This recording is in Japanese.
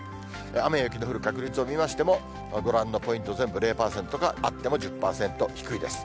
雨や雪の降る確率を見ましても、ご覧のとおり、全部０％か、あっても１０％、低いです。